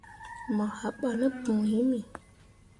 Mo haɓah ne põo himi.